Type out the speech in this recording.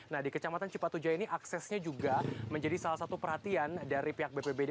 nah di kecamatan cipatuja ini aksesnya juga menjadi salah satu perhatian dari pihak bpbd